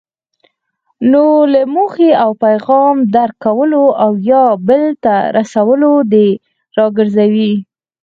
نو له موخې او پیغام درک کولو او یا بل ته رسولو دې راګرځوي.